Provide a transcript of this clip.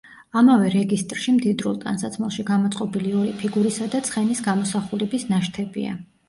ამავე რეგისტრში მდიდრულ ტანსაცმელში გამოწყობილი ორი ფიგურისა და ცხენის გამოსახულების ნაშთებია.